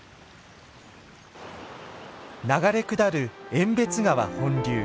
流れ下る遠別川本流。